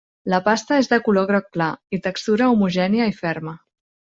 La pasta és de color groc clar i textura homogènia i ferma.